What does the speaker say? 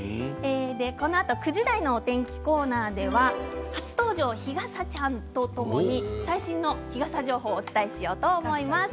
このあと９時台のお天気コーナーでは初登場ひがさちゃんとともに最新の日傘情報をお伝えしようと思います。